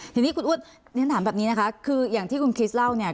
ทีนี้คุณอุ๊ดเรียนถามแบบนี้นะคะคืออย่างที่คุณคริสเล่าเนี่ย